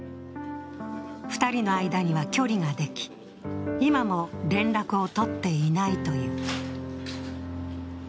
２人の間には距離ができ、今も連絡を取っていないという。